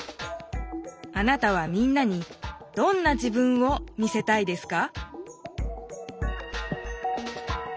あなたはみんなにどんな自分を見せたいですか？